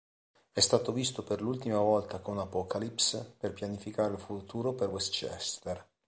È stato visto per l'ultima volta con Apocalypse per pianificare il futuro per Westchester.